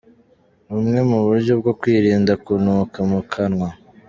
Bumwe mu buryo bwo kwirinda kunuka mu kanwa